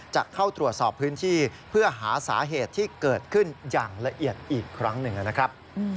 จะเข้าตรวจสอบพื้นที่เพื่อหาสาเหตุที่เกิดขึ้นอย่างละเอียดอีกครั้งหนึ่งนะครับ